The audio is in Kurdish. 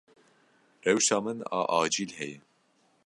Rewşa min a acîl heye.